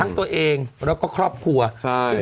ตัวเองแล้วก็ครอบครัวใช่